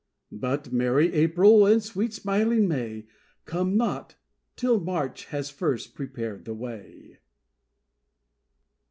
But merry April and sweet smiling May Come not till March has first prepared the way.